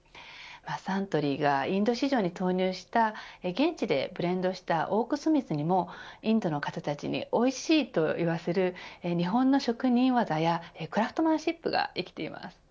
サントリーがインド市場に投入した、現地でブレンドしたオークスミスにもインドの方たちにおいしいと言わせる日本の職人技やクラフトマンシップが生きています。